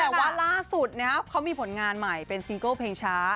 เพราะว่าร่าสุดเขามีผลงานใหม่เป็นซิงเกิ้ลเพลงช้า